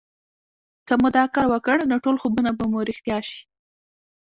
که مو دا کار وکړ نو ټول خوبونه به مو رښتيا شي